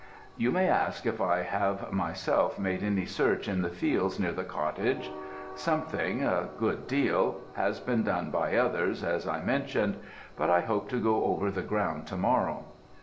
You may ask if I have myself made any search in the fields near the cottage. Something a good deal has been done by others, as I mentioned; but I hope to go over the ground to morrow.